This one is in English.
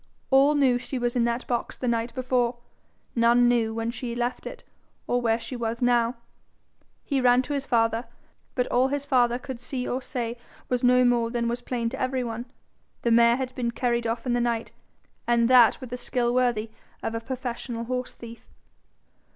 All knew she was in that box the night before; none knew when she left it or where she was now. He ran to his father, but all his father could see or say was no more than was plain to every one: the mare had been carried off in the night, and that with a skill worthy of a professional horse thief.